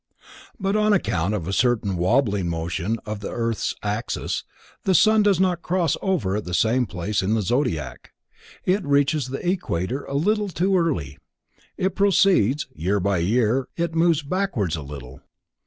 But on account of a certain wabbling motion of the earth's axis, the sun does not cross over at the same place in the Zodiac, it reaches the equator a little too early, it precedes, year by year it moves backwards a little.